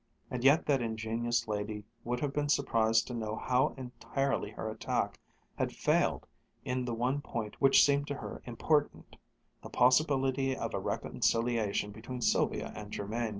And yet that ingenious lady would have been surprised to know how entirely her attack had failed in the one point which seemed to her important, the possibility of a reconciliation between Sylvia and Jermain.